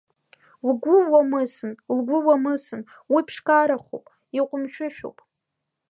Лгәы уамысын, лгәы уамысын, уи ԥшқарахуп, иҟәымшәышәуп.